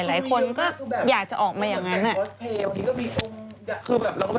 หลายคนก็อยากจะออกมาอย่างนั้น